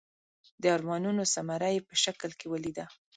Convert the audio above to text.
د ارمانونو ثمره یې په شکل کې ولیده.